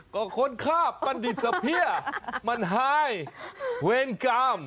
ก็คนขาบผันสังเผจมันฮายเวนกรรม